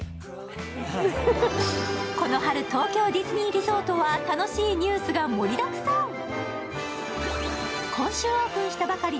この春、東京ディズニーリゾートは楽しいニュースが盛りだくさん。